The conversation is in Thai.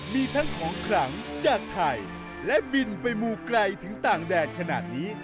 มีทั้งของขลังจากไทยและบินไปมูไกลถึงต่างแดดขนาดนี้